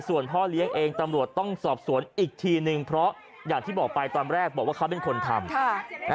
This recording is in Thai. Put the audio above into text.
ส่วนพ่อเลี้ยงเองตำรวจต้องสอบสวนอีกทีนึงเพราะอย่างที่บอกไปตอนแรกบอกว่าเขาเป็นคนทำ